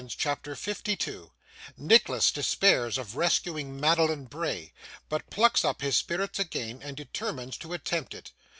CHAPTER 52 Nicholas despairs of rescuing Madeline Bray, but plucks up his Spirits again, and determines to attempt it.